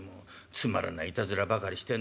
つまらないいたずらばかりしてんだから。